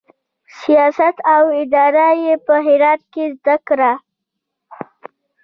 سیاست او اداره یې په هرات کې زده کړه.